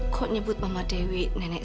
kok nyebut mama dewi